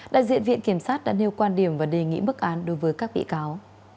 đại diện viện kiểm sát đã nêu quan điểm và đề nghị bức án đối với các bị cáo